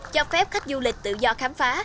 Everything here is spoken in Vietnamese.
cho phép khách du lịch tự do khám phá